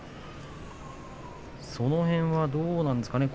その辺はどうなんでしょうね。